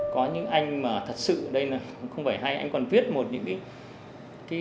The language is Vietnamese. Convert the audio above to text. có những anh mà thật sự đây là không phải hay anh còn viết một những cái